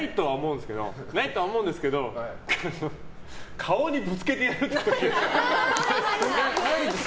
ないとは思うんですけど顔にぶつけてやる！っていう時とか。